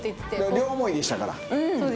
両思いでしたから。